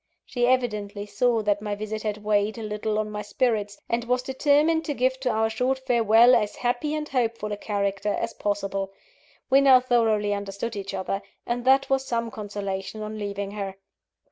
She evidently saw that my visit had weighed a little on my spirits, and was determined to give to our short farewell as happy and hopeful a character as possible. We now thoroughly understood each other; and that was some consolation on leaving her.